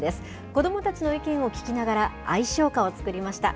子どもたちの意見を聞きながら、愛唱歌を作りました。